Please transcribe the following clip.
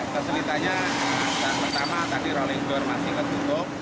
fasilitanya pertama tadi rolling door masih ketutup